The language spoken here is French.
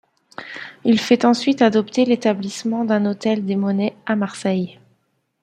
Il fait ensuite adopter l'établissement d'un hôtel des Monnaies à Marseille.